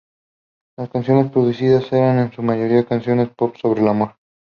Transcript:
Las canciones producidas eran en su mayoría canciones pop sobre el amor.